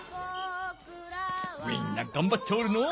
みんながんばっておるのう。